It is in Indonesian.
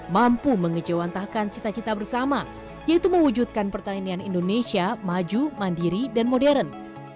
mampu mengejawantahkan cita cita bersama yaitu mewujudkan pertanian indonesia maju mandiri dan modern